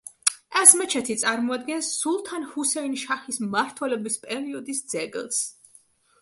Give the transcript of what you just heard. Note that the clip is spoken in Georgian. ეს მეჩეთი წარმოადგენს სულთან ჰუსეინ შაჰის მმართველობის პერიოდის ძეგლს.